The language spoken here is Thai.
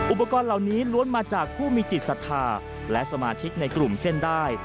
อุปกรณ์เหล่านี้ล้วนมาจากผู้มีจิตศรัทธาและสมาชิกในกลุ่มเส้นได้